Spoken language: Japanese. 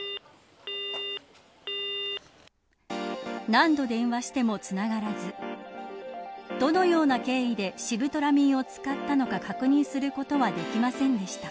何度電話してもつながらずどのような経緯でシブトラミンを使ったのか確認することはできませんでした。